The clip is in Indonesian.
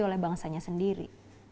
oleh bangsanya sendiri